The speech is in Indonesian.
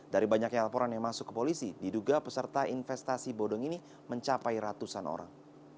dari banyaknya laporan yang masuk ke polisi diduga peserta investasi bodong ini mencapai ratusan orang